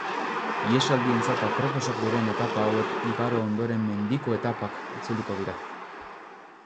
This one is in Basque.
Ihesaldientzat aproposak diren etapa hauek igaro ondoren mendiko etapak itzuliko dira.